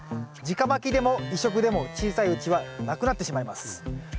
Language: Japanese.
直まきでも移植でも小さいうちは無くなってしまいます。